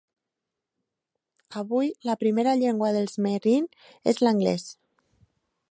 Avui, la primera llengua dels Meherrin és l'anglès.